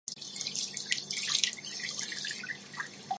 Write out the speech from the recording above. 除此之外一些过去独立的镇今天被合并入兰茨贝格成为其市区。